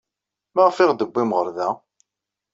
Maɣef ay aɣ-d-tewwim ɣer da?